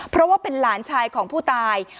เพราะว่าเป็นหลานชายของผู้ตาย